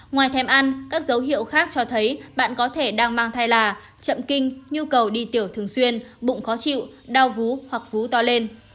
ngoài thèm ăn các dấu hiệu khác cho thấy bạn có thể đang mang thai là chậm kinh nhu cầu đi tiểu thường xuyên bụng khó chịu đau vú hoặc vú to lên